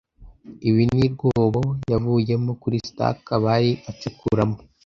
Ibi ni rwobo yavuyemo turi Starks bari acukuramo ."